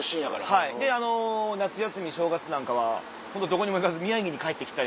はいで夏休み正月なんかはどこにも行かず宮城に帰ってきたり。